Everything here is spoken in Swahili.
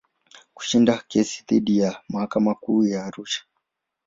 Kushinda kesi dhidi yake mahakama Kuu Arusha.